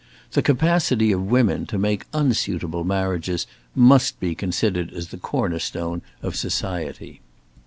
The capacity of women to make unsuitable marriages must be considered as the corner stone of society.